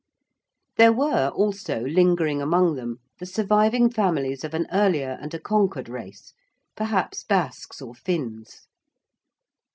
There were also lingering among them the surviving families of an earlier and a conquered race, perhaps Basques or Finns.